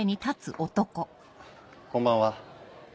こんばんは。